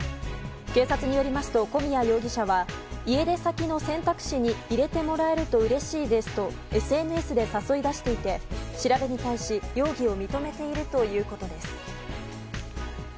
警察によりますと古宮容疑者は家出先の選択肢に入れてもらえるとうれしいですとＳＮＳで誘い出していて調べに対し容疑を認めているということです。